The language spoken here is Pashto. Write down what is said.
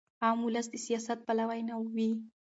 عام ولس د سیاست پلوی نه وي.